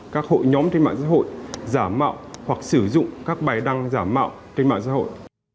các hội nhóm trên mạng xã hội giả mạo hoặc sử dụng các bài đăng giả mạo trên mạng xã hội